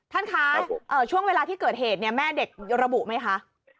ท่านคะช่วงเวลาที่เกิดเหตุเนี่ยแม่เด็กระบุไหมคะ